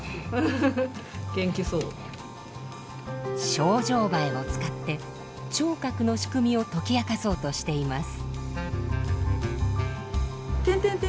ショウジョウバエを使って聴覚の仕組みを解き明かそうとしています。